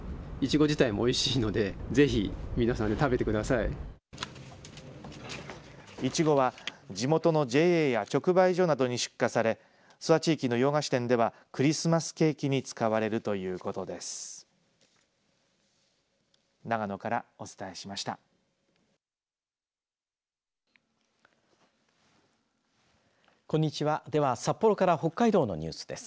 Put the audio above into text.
いちごは、地元のＪＡや直売所などに出荷され諏訪地域の洋菓子店ではクリスマスケーキに使われるということです。